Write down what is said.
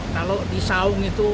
kalau di saung itu